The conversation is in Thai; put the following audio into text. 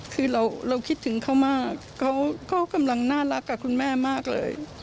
คือเราคิดถึงเขามากเขากำลังน่ารักกับคุณแม่มากเลย